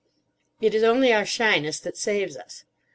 It is only our shyness that saves us.